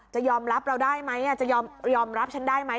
จะยอมรับเราได้ไหมจะยอมรับฉันได้ไหม